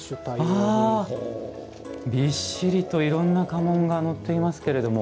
びっしりといろんな家紋が載っていますけれども。